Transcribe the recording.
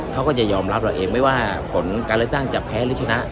เขาก็จะยอมรับเราเองไม่ว่าผลการเลือกตั้งจะแพ้หรือชนะ